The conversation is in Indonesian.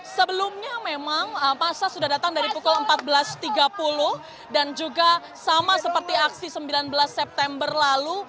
sebelumnya memang masa sudah datang dari pukul empat belas tiga puluh dan juga sama seperti aksi sembilan belas september lalu